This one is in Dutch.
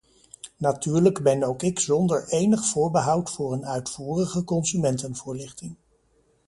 Natuurlijk ben ook ik zonder enig voorbehoud voor een uitvoerige consumentenvoorlichting.